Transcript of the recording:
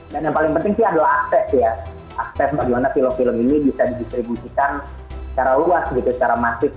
dan yang paling penting sih adalah akses ya akses bagaimana film film ini bisa didistribusikan secara luas secara masif